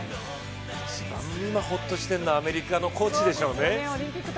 一番今ホッとしているのはアメリカのコーチでしょうね。